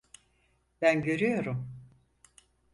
Ben görüyorum.